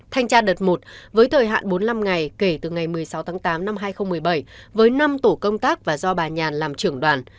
thanh tra đợt một với thời hạn bốn mươi năm ngày kể từ ngày một mươi sáu tháng tám năm hai nghìn một mươi bảy với năm tổ công tác và do bà nhàn làm trưởng đoàn